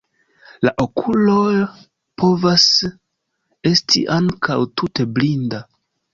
La okulo povas esti ankaŭ tute blinda.